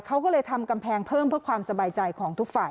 เขาก็เลยทำกำแพงเพิ่มเพื่อความสบายใจของทุกฝ่าย